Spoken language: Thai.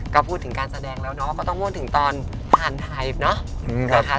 ก็พูดถึงการแสดงแล้วเนาะก็ต้องพูดถึงตอนผ่านไทยเนอะนะคะ